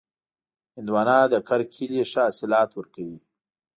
هندوانه د کرکېلې ښه حاصلات ورکوي.